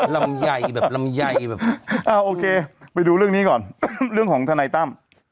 ลำไยแบบลำไยแบบอ่าโอเคไปดูเรื่องนี้ก่อนเรื่องของทนายตั้ม